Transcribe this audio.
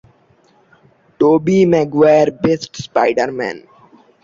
মধ্যযুগে এখানে একটি প্রাচীন প্রুশীয় লোকালয় ছিল।